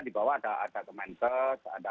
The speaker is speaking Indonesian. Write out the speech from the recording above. dibawa ada kementer ada